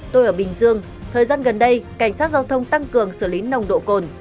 tôi ở bình dương thời gian gần đây cảnh sát giao thông tăng cường xử lý nồng độ cồn